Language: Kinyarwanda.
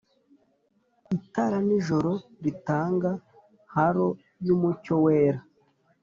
itara-nijoro ritanga halo yumucyo wera.